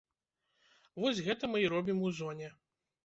Вось гэта мы і робім у зоне.